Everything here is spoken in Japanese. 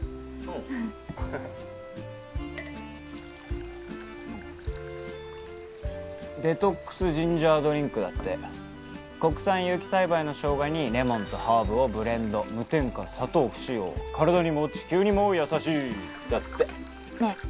うんデトックスジンジャードリンクだって国産有機栽培のショウガにレモンとハーブをブレンド無添加砂糖不使用体にも地球にも優しいだってねえ